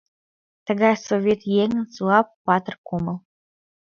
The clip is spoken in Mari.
Тыгай совет еҥын суап патыр кумыл.